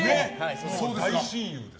大親友です。